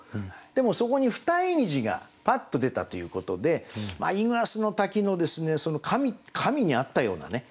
でもそこに二重虹がパッと出たということでイグアスの滝の神に会ったようなね